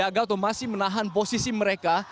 gagal atau masih menahan posisi mereka